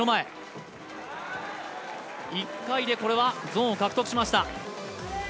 １回でゾーンを獲得しました。